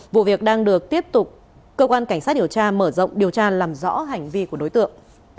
vụ việc đang được tiếp tục cơ quan cảnh sát điều tra mở rộng điều tra làm rõ hành vi của đối tượng